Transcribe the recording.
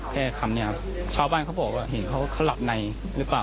แค่คำนี้ครับชาวบ้านเขาบอกว่าเห็นเขาหลับในหรือเปล่า